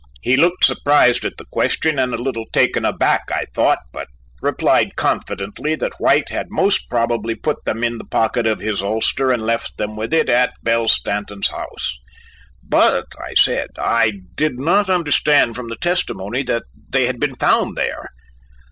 He looked surprised at the question and a little taken aback, I thought, but replied confidently that White had most probably put them in the pocket of his ulster and left them with it at Belle Stanton's house. "But," I said, "I did not understand from the testimony that they had been found there."